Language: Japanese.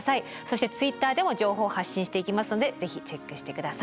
そしてＴｗｉｔｔｅｒでも情報を発信していきますのでぜひチェックして下さい。